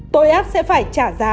tội ác sẽ phải trả giá